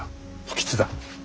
不吉だ。